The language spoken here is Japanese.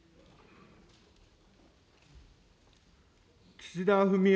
岸田文雄